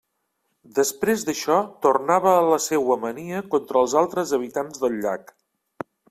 Després d'això tornava a la seua mania contra els altres habitants del llac.